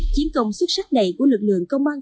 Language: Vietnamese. chiến công xuất sắc này của lực lượng công an tp hcm